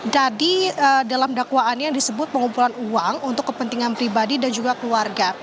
tadi dalam dakwaannya disebut pengumpulan uang untuk kepentingan pribadi dan juga keluarga